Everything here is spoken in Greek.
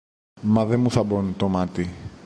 Μα δε μου θαμπώνουν το μάτι.